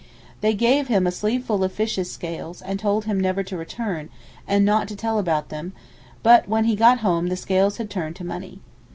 They gave him a sleeve full of fishes' scales, and told him never to return, and not to tell about them: and when he got home the scales had turned to money.